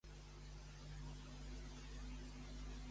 Vosaltres, jugadors per formar un bloc de futur.